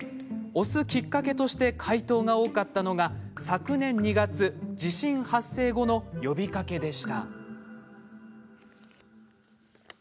推すきっかけとして回答が多かったのが、昨年２月地震発生後の呼びかけでした。